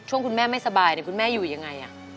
ช่วงคุณแม่ไม่สบายคุณแม่อยู่อย่างไร